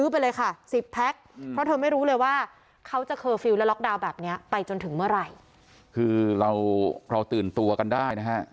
แบบเนี้ยไปจนถึงเมื่อไหร่คือเราเราตื่นตัวกันได้นะฮะ